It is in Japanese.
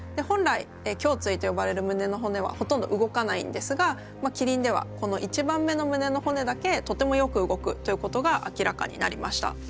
本来胸椎と呼ばれる胸の骨はほとんど動かないんですがキリンではこの１番目の胸の骨だけとてもよく動くということが明らかになりました。